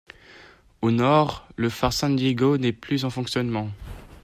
Au nord, le phare San Diego n'est plus en fonctionnement.